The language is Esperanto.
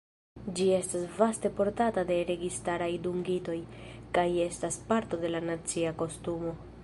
Ĝi estas vaste portata de registaraj dungitoj, kaj estas parto de la nacia kostumo.